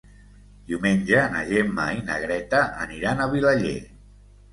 Diumenge na Gemma i na Greta aniran a Vilaller.